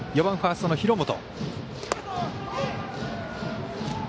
４番、ファーストの廣本。